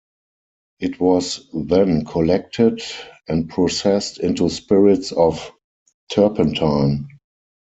It was then collected and processed into spirits of turpentine.